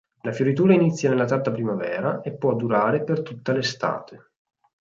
La fioritura inizia nella tarda primavera e può durare per tutta l'estate.